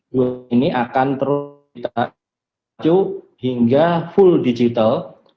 dua ini akan terus kita cucu hingga full digital